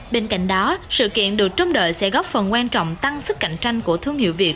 bên cạnh đó sự kiện được trông đợi sẽ góp phần quan trọng tăng sức cạnh tranh của thương hiệu việt